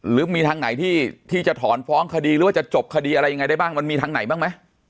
หรือมีทางไหนที่จะถอนฟ้องคดีหรือว่าจะจบคดีอะไรยังไงได้บ้างมันมีทางไหนบ้างไหม